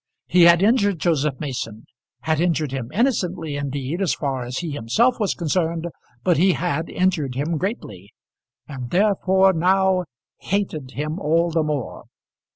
He had injured Joseph Mason; had injured him innocently, indeed, as far as he himself was concerned; but he had injured him greatly, and therefore now hated him all the more.